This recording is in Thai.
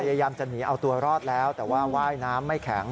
พยายามจะหนีเอาตัวรอดแล้วแต่ว่าว่ายน้ำไม่แข็ง